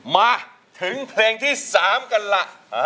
มาถึงเพลงที่๓กันล่ะ